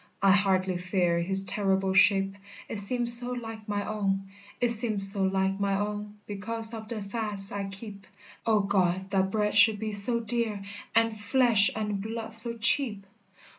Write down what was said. I hardly fear his terrible shape, It seems so like my own, It seems so like my own Because of the fasts I keep; O God! that bread should be so dear, And flesh and blood so cheap!